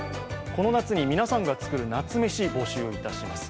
この夏に皆さんが作る夏メシを募集いたします。